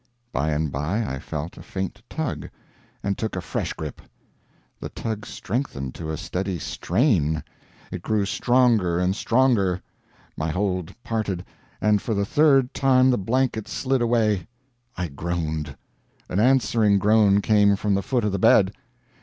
By and by I felt a faint tug, and took a fresh grip. The tug strengthened to a steady strain it grew stronger and stronger. My hold parted, and for the third time the blankets slid away. I groaned. An answering groan came from the foot of the bed!